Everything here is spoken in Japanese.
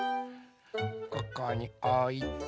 ここにおいて。